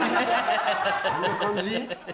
そんな感じ？